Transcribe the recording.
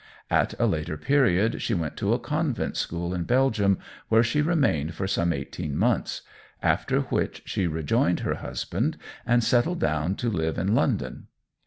At a later period she went to a convent school in Belgium, where she remained for some eighteen months, after which she rejoined her husband, and settled down to live in London.